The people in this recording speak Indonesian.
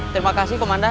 terima kasih komandan